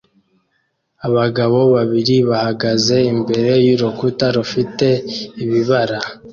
Abagabo babiri bahagaze imbere y'urukuta rufite ibibara